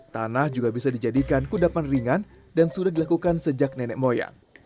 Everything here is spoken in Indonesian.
tanah juga bisa dijadikan kudapan ringan dan sudah dilakukan sejak nenek moyang